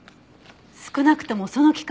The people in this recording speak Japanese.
少なくともその期間